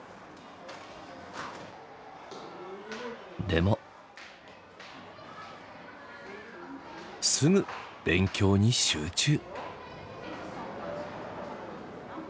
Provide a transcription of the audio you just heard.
でもすぐ勉強に集中。